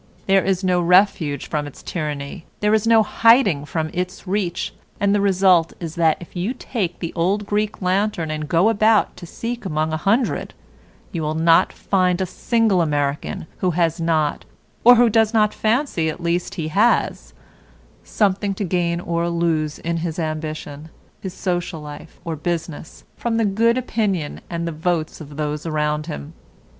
There is no refuge from its tyranny, there is no hiding from its reach, and the result is that if you take the old Greek lantern and go about to seek among a hundred, you will not find a single American who has not, or who does not fancy at least he has, something to gain or lose in his ambition, his social life, or business, from the good opinion and the votes of those around him.